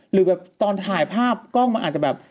หรือแบบตอนถ่ายภาพกล้องมันอาจจะแบบ